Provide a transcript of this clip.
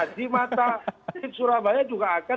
di mata surabaya juga akan